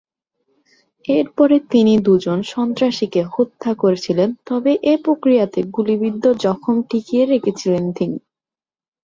এরপরে তিনি দু'জন সন্ত্রাসীকে হত্যা করেছিলেন তবে এ প্রক্রিয়াতে গুলিবিদ্ধ জখম টিকিয়ে রেখেছিলেন তিনি।